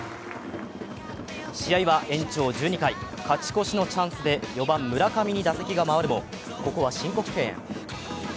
試合は延長１２回、勝ち越しのチャンスで４番・村上に打席が回るもここは申告敬遠。